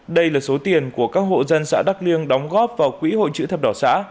đây là số tiền của các hộ dân xã đắk liêng đóng góp vào quỹ hội chữ thập đỏ xã